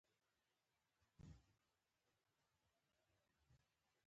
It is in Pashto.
د پیرودونکو خدمتونه د بانکي سیستم اعتبار لوړوي.